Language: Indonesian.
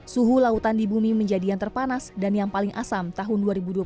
suhu lautan di bumi menjadi yang terpanas dan yang paling asam tahun dua ribu dua puluh satu